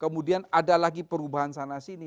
kemudian ada lagi perubahan sana sini